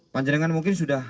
panjangan mungkin sudah